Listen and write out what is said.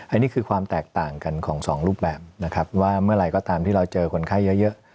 อันนี้คือความแตกต่างกันของสองรูปแบบนะครับว่าเมื่อไหร่ก็ตามที่เราเจอคนไข้เยอะ